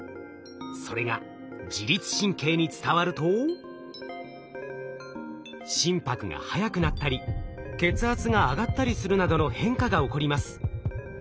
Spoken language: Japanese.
それが自律神経に伝わると心拍が速くなったり血圧が上がったりするなどの変化が起こります。